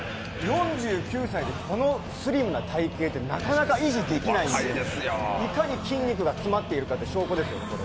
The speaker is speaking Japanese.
４９歳で、このスリムな体型ってなかなか維持できないんでいかに筋肉が詰まってるかという証拠ですよ。